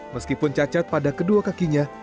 meskipun cacat pada kedua kakinya